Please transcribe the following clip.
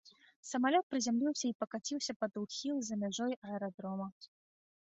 Самалёт прызямліўся і пакаціўся пад ухіл за мяжой аэрадрома.